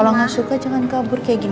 rena nggak suka di ledekin kayak gitu